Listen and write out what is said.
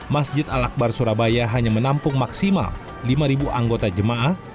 masjid al akbar surabaya hanya menampung maksimal lima anggota jemaah